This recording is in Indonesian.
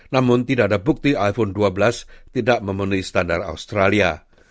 namun tidak ada bukti iphone dua belas tidak memenuhi standar australia